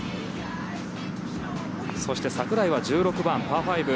そして櫻井は１６番、パー５。